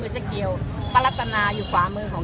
เจ๊เกียวอยู่ในเหตุการณ์